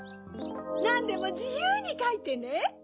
なんでもじゆうにかいてね。